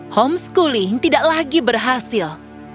homeschooling tidak lagi berhasil